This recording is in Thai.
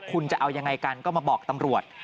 คุณจะเอายังไงกันก็มาบอกตำรวจ